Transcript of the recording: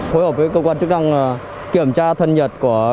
phối hợp với cơ quan chức năng kiểm tra thân nhiệt của